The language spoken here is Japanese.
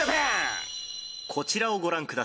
「こちらをご覧ください」